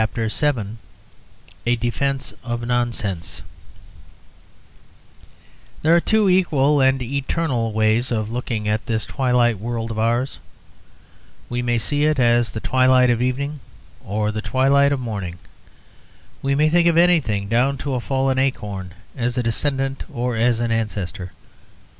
A DEFENCE OF NONSENSE There are two equal and eternal ways of looking at this twilight world of ours: we may see it as the twilight of evening or the twilight of morning; we may think of anything, down to a fallen acorn, as a descendant or as an ancestor.